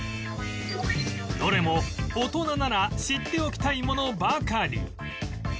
どれも大人なら知っておきたいものばかり